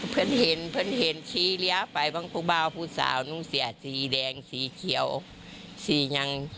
พันธุ์เห็นพันธุ์เห็นชี้เลี้ยไปบ้างผู้บ้าผู้สาวนุ้งเสียสีแดงสีเขียวสียัง